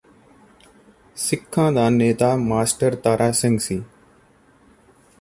ਸਿੱਖਾਂ ਦਾ ਨੇਤਾ ਮਾਸਟਰ ਤਾਰਾ ਸਿੰਘ ਸੀ